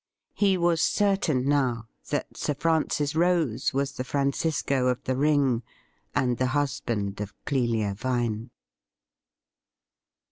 He was certain now that Sir Francis Rose was the Francisco of the ring, and the husband of Clelia Vine.